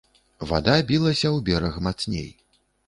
Вада білася ў бераг мацней.